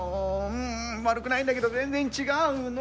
ん悪くないんだけど全然違うの！